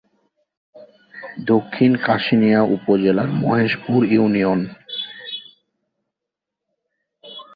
দক্ষিণে কাশিয়ানী উপজেলার মহেশপুর ইউনিয়ন।